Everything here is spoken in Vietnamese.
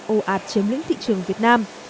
ô ạt chiếm lĩnh thị trường việt nam